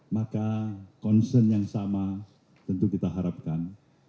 maka concern yang sama tentu kita harapkan